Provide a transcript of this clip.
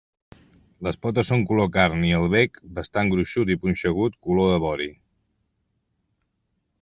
Les potes són color carn i el bec, bastant gruixut i punxegut, color de vori.